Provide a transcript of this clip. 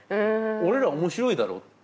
俺ら面白いだろって。